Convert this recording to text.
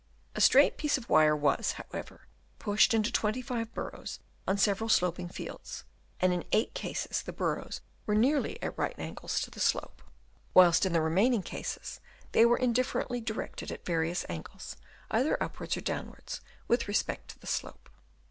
A straight piece of wire was, how ever, pushed into twenty five burrows on several sloping fields, and in eight cases the burrows were nearly at right angles to the slope ; whilst in the remaining cases they were indifferently directed at various angles, either upwards or downwards with respect to the slope.